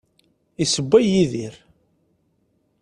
Issewway Yidir.